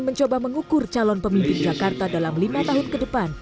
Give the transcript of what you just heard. mencoba mengukur calon pemimpin jakarta dalam lima tahun ke depan